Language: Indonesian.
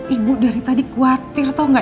ibu dari tadi khawatir tau gak